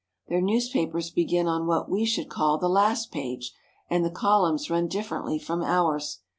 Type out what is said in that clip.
Their newspapers begin on what we should call the last page, and the columns run dif ferently from ours.